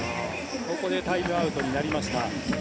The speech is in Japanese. ここでタイムアウトになりました。